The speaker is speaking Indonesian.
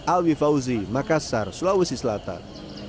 alwi fauzi makassar sulawesi selatan